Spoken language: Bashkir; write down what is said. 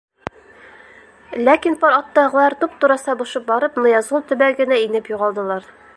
Ләкин пар аттағылар, туп-тура сабышып барып, Ныязғол төбәгенә инеп юғалдылар.